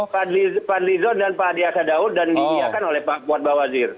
fadlizon dan pak adiasa daud dan dihiaskan oleh pak buat bawajir